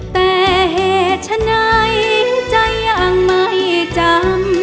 แต่เหตุฉะนั้นใจยังไม่จำ